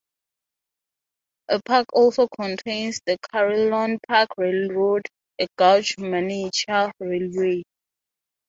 The park also contains the Carillon Park Railroad, a gauge miniature railway.